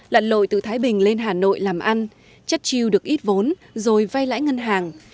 lặn lội từ thái bình lên hà nội làm ăn chất chiêu được ít vốn rồi vay lãi ngân hàng